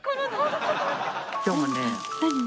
今日もね